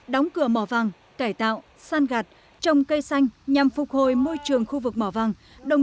đóng cửa mỏ vàng cải tạo san gạt trồng cây xanh nhằm phục hồi môi trường khu vực mỏ vàng